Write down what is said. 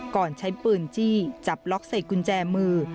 ก่อนใช้ปืนจี้จับล็อกใส่กุญแจมือ